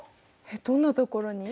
どんなところに？